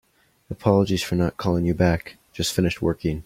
Apologies for not calling you back. Just finished working.